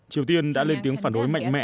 triều tiên đã lên tiếng phản đối mạnh mẽ